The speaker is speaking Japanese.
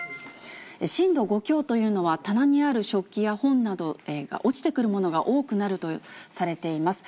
震度５強というのは、棚にある食器や本など、落ちてくるものが多くなるとされています。